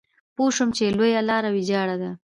پوه شوم چې لویه لار ويجاړه ده.